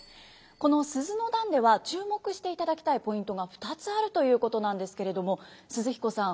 この「鈴の段」では注目していただきたいポイントが２つあるということなんですけれども寿々彦さん